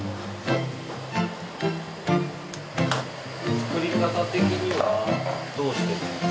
作り方的にはどうしてる？